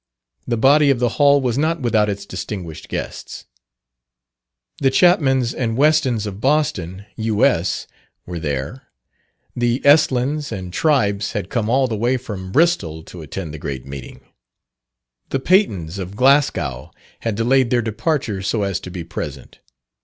The body of the hall was not without its distinguished guests. The Chapmans and Westons of Boston, U.S., were there. The Estlins and Tribes had come all the way from Bristol to attend the great meeting. The Patons of Glasgow had delayed their departure, so as to be present.